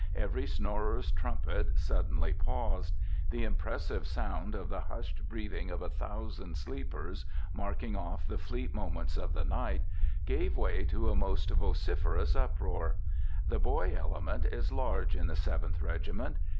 Every snorer's trumpet suddenly paused. The impressive sound of the hushed breathing of a thousand sleepers, marking off the fleet moments of the night, gave way to a most vociferous uproar. The boy element is large in the Seventh Regiment.